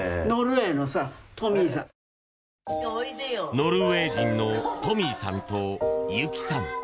ノルウェー人のトミーさんと由紀さん。